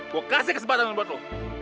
gua kasih kesempatan buat lu